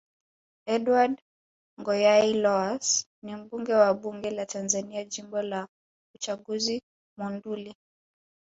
Edward Ngoyai Lowass ni mbunge wa Bunge la Tanzania Jimbo la uchaguzi Monduli